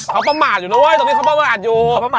ก็อาจอยู่น้อยตรงนี้เขาเป้าหมายอาจอยู่